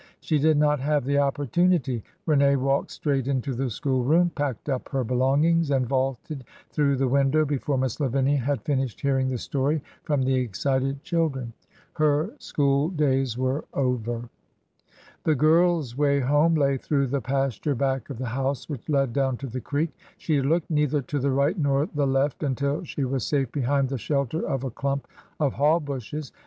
She did not have the opportunity. Rene walked straight into the school room, packed up her belongings, and vaulted through the window before Miss Lavinia had finished hearing the story from the excited children.. Her school days were over. The girl's way home lay through the pasture back of the house which led down to the creek. She had looked neither to the right nor the left until she was safe behind the shelter of a clump of haw bushes.